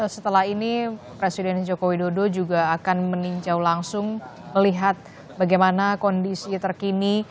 setelah ini presiden joko widodo juga akan meninjau langsung melihat bagaimana kondisi terkini